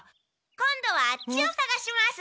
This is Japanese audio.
今度はあっちをさがします。